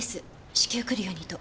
至急来るようにと。